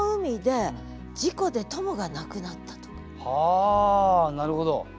あなるほど。